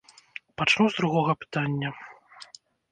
Пачну з другога пытання.